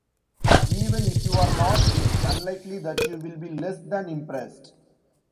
Even if you're not, it's unlikely that you'll be less than impressed.